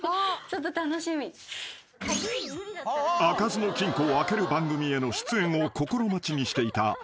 ［開かずの金庫を開ける番組への出演を心待ちにしていた］